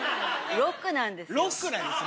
ロックなんです。